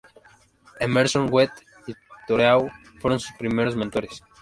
Emerson, Goethe y Thoreau fueron sus primeros mentores.